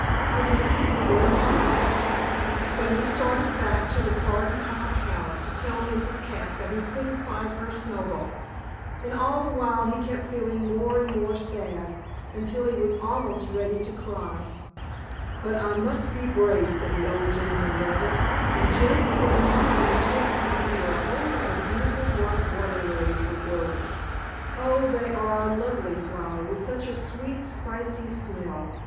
"I just can't bear to." But he started back to the corncob house to tell Mrs. Cat that he couldn't find her Snowball. And all the while he kept feeling more and more sad, until he was almost ready to cry. "But I must be brave," said the old gentleman rabbit, and just then he came to a pond where a whole lot of beautiful, white water lilies were growing. Oh, they are a lovely flower, with such a sweet, spicy smell.